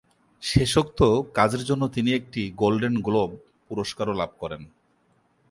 শেষোক্ত কাজের জন্য তিনি একটি গোল্ডেন গ্লোব পুরস্কারও লাভ করেন।